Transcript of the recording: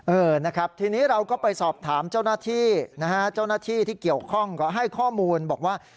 เออนะครับทีนี้เราก็ไปสอบถามเจ้าหน้าที่นะฮะเจ้าหน้าที่ที่เกี่ยวข้องก็ให้ข้อมูลบอกว่า